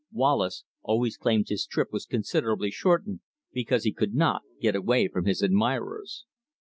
Wallace always claimed his trip was considerably shortened because he could not get away from his admirers.